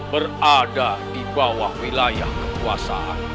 berada di bawah wilayah kepuasaan panjajah